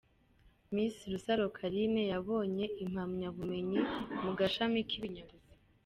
Miss Rusaro Carine: yabonye impamyabumenyi mu gashami k’ibinyabuzima.